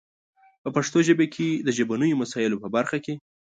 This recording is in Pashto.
په پښتو ژبه کې د ژبنیو مسایلو په برخه کې